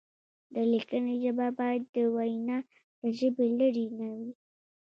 د لیکنې ژبه باید د وینا له ژبې لرې نه وي.